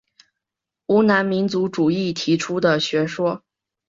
湖南民族主义提出的学说。